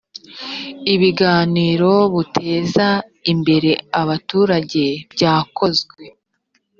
ibiganiro buteza imbere abaturage byakozwe